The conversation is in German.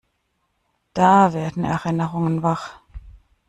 Da werden Erinnerungen wach.